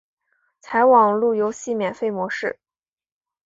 采网路游戏免费模式。